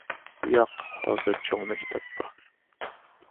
ياق، ھازىر چوڭ مەكتەپ بار.